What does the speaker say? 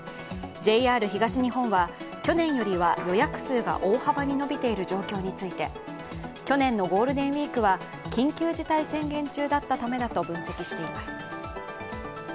ＪＲ東日本は去年よりは予約数が大幅に伸びている状況について去年のゴールデンウイークは、緊急事態宣言中だったためだと分析しています。